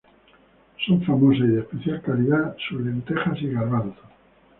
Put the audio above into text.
Son famosas y de especial calidad sus lentejas y garbanzos.